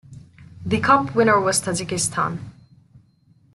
The cup winner was Tajikistan.